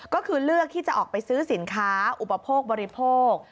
ก็คือเลือกที่จะออกไปซื้อสินค้าอุปโภคบริโภค